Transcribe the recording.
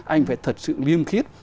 anh phải thật sự liêm khiết